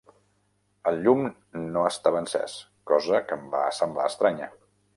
El llum no estava encès, cosa que em sa semblar estranya.